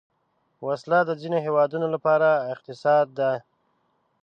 وسله د ځینو هیوادونو لپاره اقتصاد ده